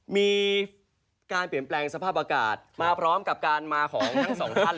มีการเปลี่ยนแปลงสภาพอากาศมาพร้อมกับการมาของทั้งสองท่าน